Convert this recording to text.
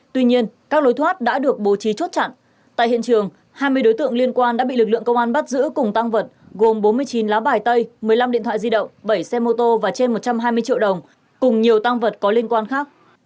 tuy nhiên các lối thoát đã được bố trí chốt chặn tại hiện trường hai mươi đối tượng liên quan đã bị lực lượng công an bắt giữ cùng tăng vật gồm bốn mươi chín lá bài tay một mươi năm điện thoại di động bảy xe mô tô và trên một trăm hai mươi triệu đồng cùng nhiều tăng vật có liên quan khác